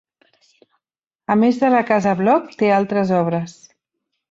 A més de la Casa Bloc, té altres obres.